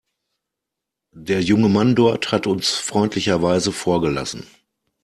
Der junge Mann dort hat uns freundlicherweise vorgelassen.